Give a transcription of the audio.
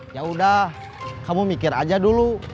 yaudah kamu mikir aja dulu